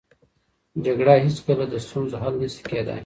جګړه هېڅکله د ستونزو حل نه سي کېدای.